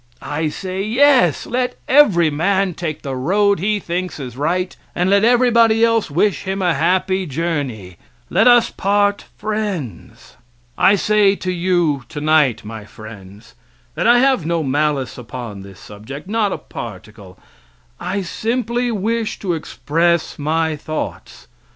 I say: "Yes. Let every man take the road he thinks is right; and let everybody else wish him a happy journey; let us part friends." I say to you tonight, my friends, that I have no malice upon this subject not a particle; I simply wish to express my thoughts.